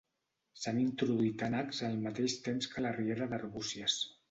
S'han introduït ànecs al mateix temps que a la riera d'Arbúcies.